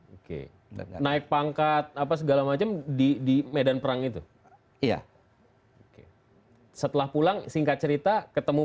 ok naik pangkat apa segala macam di medan perang itu ia nah setelah pulang singkat cerita ketemu